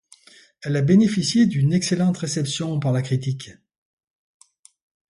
Elle a bénéficié d'une excellente réception par la critique.